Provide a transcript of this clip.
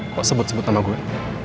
kok sebut sebut nama gue